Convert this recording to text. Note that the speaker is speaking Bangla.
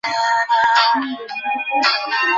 নবাব জাফর মোরশেদ আলি খান স্থাপন করেন মুর্শিদাবাদ মাদ্রাসা।